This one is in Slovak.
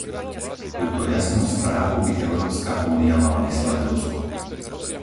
Túto jasnú správu by Európska únia mala vyslať Rusku.